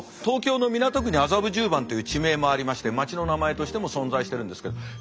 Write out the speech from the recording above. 東京の港区に麻布十番という地名もありましてまちの名前としても存在してるんですけど。